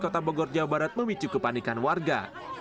kota bogor jawa barat memicu kepanikan warga